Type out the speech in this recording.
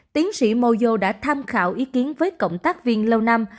tiến sĩ mozo đã tham khảo ý kiến với cộng tác viên lâu năm